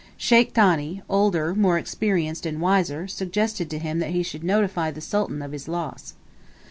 Sheikh Thani, older, more experienced, and wiser, suggested to him that he should notify the Sultan of his loss.